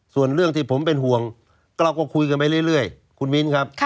ส่วนเรื่องที่ผมเป็นห่วงก็เราก็คุยกันไปเรื่อยคุณมิ้นครับ